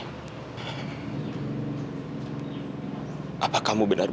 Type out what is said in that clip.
apa kamu benar benar mencintai andre wi